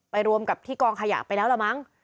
รวมกับที่กองขยะไปแล้วละมั้ง